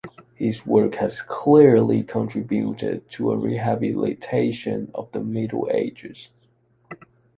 His work has clearly contributed to a rehabilitation of the Middle Ages.